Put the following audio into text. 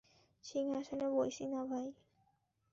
সিংহাসনে বইসি না ভাই।